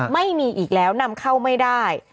ไม่มีอีกแล้วนำเข้าไม่ได้